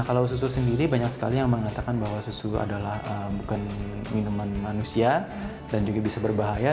kalau susu sendiri banyak sekali yang mengatakan bahwa susu adalah bukan minuman manusia dan juga bisa berbahaya